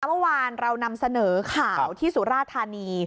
เมื่อวานเรานำเสนอข่าวที่สุราธานี